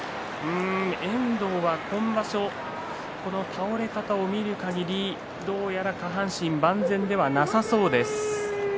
遠藤は今場所倒れ方を見るかぎりどうやら下半身は万全ではなさそうです。